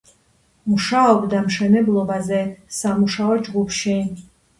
მუშაობდა მშენებლობაზე, სამუშაო ჯგუფში.